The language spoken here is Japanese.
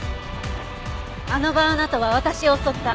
あの晩あなたは私を襲った。